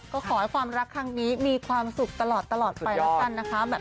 ก็ขอให้ความรักครั้งนี้มีความสุขตลอดไปแล้วกันนะคะ